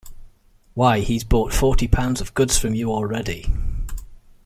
Why, he's bought forty pounds of goods from you already.